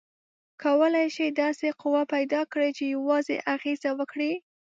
کولی شئ داسې قوه پیداکړئ چې یوازې اغیزه وکړي؟